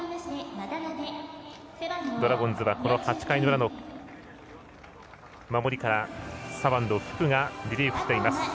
ドラゴンズは８回裏の守りから左腕の福がリリーフしています。